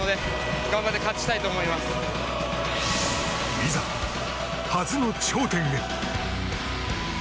いざ、初の頂点へ。